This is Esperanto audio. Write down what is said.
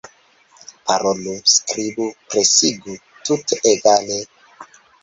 Parolu, skribu, presigu; tute egale.